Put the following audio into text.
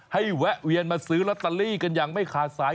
แวะเวียนมาซื้อลอตเตอรี่กันอย่างไม่ขาดสาย